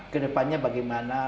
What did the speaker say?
ke depannya bagaimana